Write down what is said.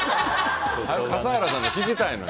早く笠原さんの聞きたいのよ。